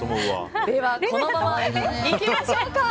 このままいきましょうか。